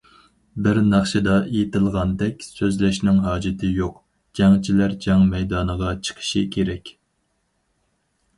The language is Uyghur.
بىر ناخشىدا ئېيتىلغاندەك: سۆزلەشنىڭ ھاجىتى يوق، جەڭچىلەر جەڭ مەيدانىغا چىقىشى كېرەك.